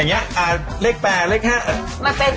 แล้วก็เรามาเครื่องให้อีกทีเนี่ย